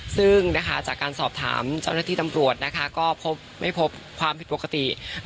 ซึ่งจากการสอบถามเจ้าหน้าที่ตำรวจนะคะก็ไม่พบความผิดปกติ